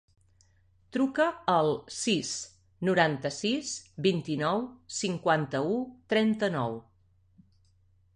Truca al sis, noranta-sis, vint-i-nou, cinquanta-u, trenta-nou.